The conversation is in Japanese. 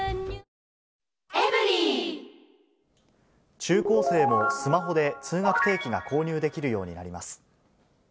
中高生もスマホで通学定期が購入できるようになります。